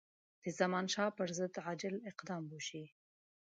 د زمانشاه پر ضد عاجل اقدام وشي.